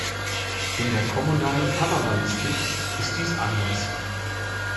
In der kommunalen Kameralistik ist dies anders.